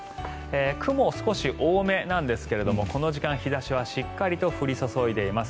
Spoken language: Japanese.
雲、少し多めなんですがこの時間、日差しはしっかりと降り注いでいます。